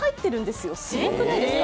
すごくないですか。